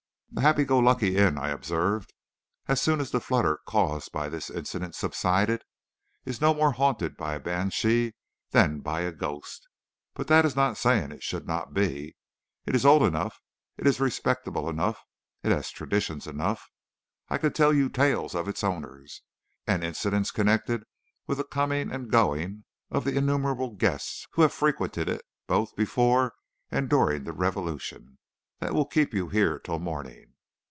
"The Happy Go Lucky Inn," I observed, as soon as the flutter caused by this incident had subsided, "is no more haunted by a banshee than by a ghost. But that is not saying it should not be. It is old enough, it is respectable enough; it has traditions enough. I could tell you tales of its owners, and incidents connected with the coming and going of the innumerable guests who have frequented it both before and during the revolution, that would keep you here till morning.